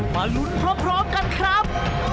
มาลุ้นพร้อมกันครับ